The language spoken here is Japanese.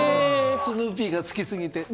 スヌーピーが好きすぎて。